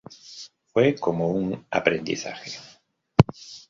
Fue como un aprendizaje".